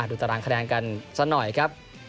ตารางคะแนนกันสักหน่อยครับ